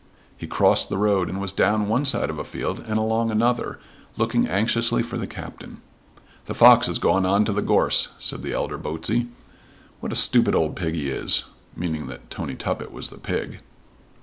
He crossed the road and was down one side of a field and along another, looking anxiously for the Captain. "The fox has gone on to the gorse," said the elder Botsey; "what a stupid old pig he is;" meaning that Tony Tuppett was the pig.